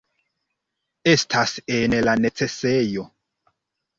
Estas en la necesejo!